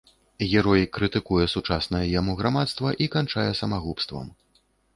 Герой крытыкуе сучаснае яму грамадства і канчае самагубствам.